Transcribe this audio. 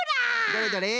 どれどれ？